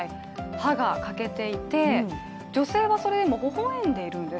歯が欠けていて、女性はそれでも微笑んでいるんです。